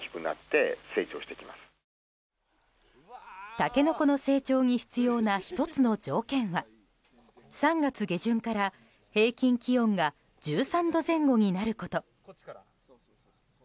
タケノコの成長に必要な１つの条件は３月下旬から平均気温が１３度前後になること。